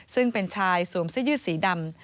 ซึ่งเป็นชายสวมเสื้อยืดสีดำ